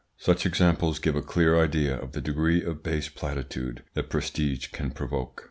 Such examples give a clear idea of the degree of base platitude that prestige can provoke.